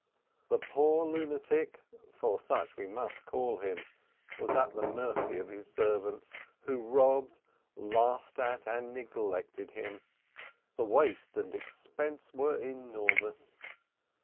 The poor lunatic, for such we must call him, was at the mercy of his servants, who robbed, laughed at, and neglected him. The waste and expense were enormous.